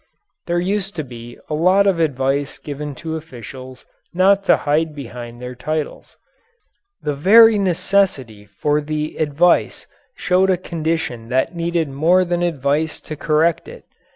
There used to be a lot of advice given to officials not to hide behind their titles. The very necessity for the advice showed a condition that needed more than advice to correct it.